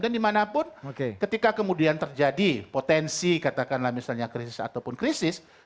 dan dimanapun ketika kemudian terjadi potensi katakanlah misalnya krisis ataupun krisis